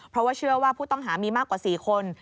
เพราะว่าเชื่อว่าผู้ต้องหามีมากกว่า๔คน